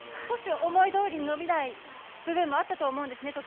少し思いどおりに伸びない部分もだったと思うんですね。